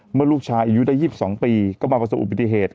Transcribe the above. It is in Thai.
เมื่อลูกชายอายุได้๒๒ปีก็มาประสบอุบัติเหตุ